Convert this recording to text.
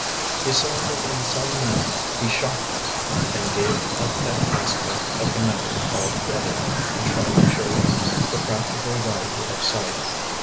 He saw that in some manner he shocked them, and gave up that aspect of the matter altogether, and tried to show them the practical value of sight.